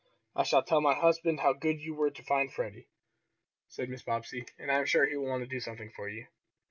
"I shall tell my husband how good you were to find Freddie," said Mrs. Bobbsey, "and I am sure he will want to do something for you.